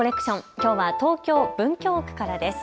きょうは東京文京区からです。